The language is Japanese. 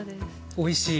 おいしい。